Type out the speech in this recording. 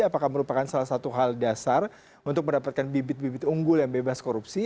apakah merupakan salah satu hal dasar untuk mendapatkan bibit bibit unggul yang bebas korupsi